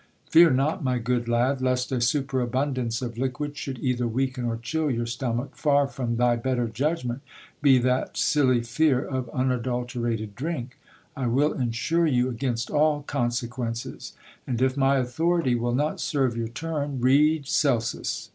Fear not, my good lad, lest a superabundance of liquid should either weaken or chill your stomach ; far from thy better judgment be that silly fear of unadulterated drink. I will ensure you against all consequences ; and if my authority will not serve your turn, read Celsus.